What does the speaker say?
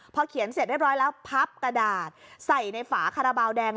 พอเขียนเสร็จเรียบร้อยแล้วพับกระดาษใส่ในฝาคาราบาลแดง